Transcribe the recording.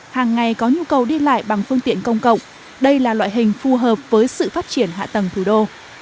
hàng ngày có nhu cầu đi lại bằng phương tiện công cộng đây là loại hình phù hợp với sự phát triển hạ tầng thủ đô